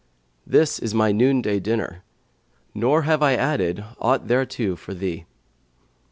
This is my noon day dinner, nor have I added aught thereto for thee."